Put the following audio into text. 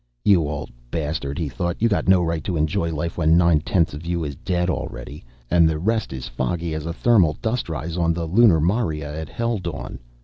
You old bastard, he thought, you got no right to enjoy life when nine tenths of you is dead already, and the rest is foggy as a thermal dust rise on the lunar maria at hell dawn.